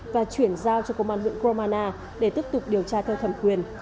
và chuyển giao cho công an huyện gromana để tiếp tục điều tra theo thẩm quyền